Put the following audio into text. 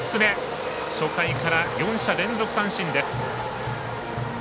初回から３者連続三振です。